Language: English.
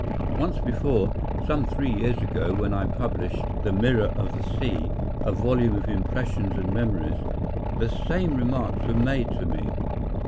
Once before, some three years ago, when I published "The Mirror of the Sea," a volume of impressions and memories, the same remarks were made to me.